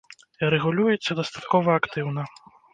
І рэгулюецца дастаткова актыўна.